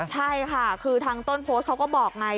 ใช่ค่ะคือทางต้นโพสต์เขาก็บอกไง